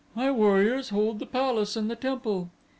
"My warriors hold the palace and the temple."